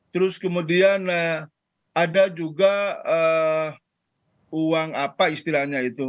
terus kemudian ada juga uang apa istilahnya itu